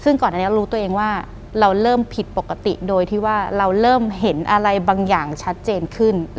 ซึ่งก่อนอันนี้รู้ตัวเองว่าเราเริ่มผิดปกติโดยที่ว่าเราเริ่มเห็นอะไรบางอย่างชัดเจนขึ้น